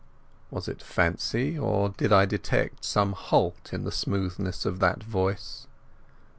Was it fancy, or did I detect some halt in the smoothness of that voice?